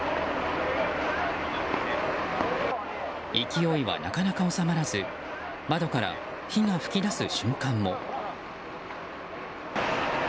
勢いは、なかなか収まらず窓から火が噴き出す瞬間も。